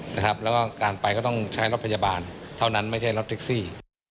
แล้วก็การไปก็ต้องใช้รถพยาบาลเท่านั้นไม่ใช่รถแท็กซี่